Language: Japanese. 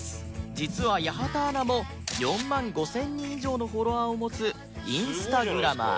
実は八幡アナも４万５０００人以上のフォロワーを持つインスタグラマー